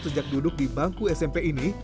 sejak duduk di bangku smp ini